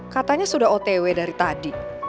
katanya sudah otw dari tadi